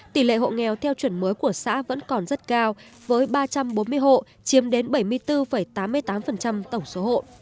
tỷ lệ hộ nghèo theo chuẩn mới của xã vẫn còn rất cao với ba trăm bốn mươi hộ chiếm đến bảy mươi bốn tám mươi tám tổng số hộ